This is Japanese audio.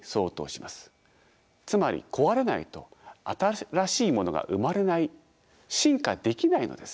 つまり壊れないと新しいものが生まれない進化できないのです。